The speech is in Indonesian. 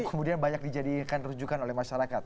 kemudian banyak dijadikan rujukan oleh masyarakat